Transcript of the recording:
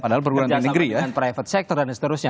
kerjaan sama dengan private sector dan seterusnya